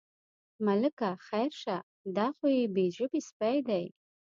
ملکه خیر شه، دا خو یو بې ژبې سپی دی.